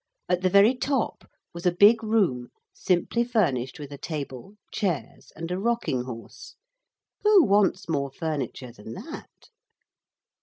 At the very top was a big room, simply furnished with a table, chairs, and a rocking horse. Who wants more furniture than that?